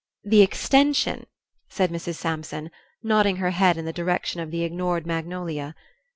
"The extension," said Mrs. Sampson, nodding her head in the direction of the ignored magnolia.